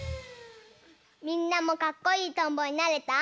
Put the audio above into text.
みんなもかっこいいとんぼになれた？